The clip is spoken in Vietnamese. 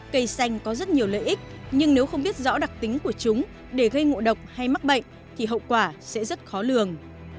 cây xanh có rất nhiều lợi ích nhưng nếu không biết rõ đặc tính của chúng để gây ngộ độc hay mắc bệnh thì hậu quả sẽ rất khó lường